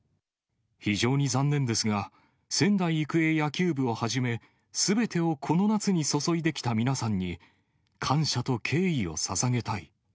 非常に残念ですが、仙台育英野球部をはじめ、すべてをこの夏に注いできた皆さんに、感謝と敬意をささげたい。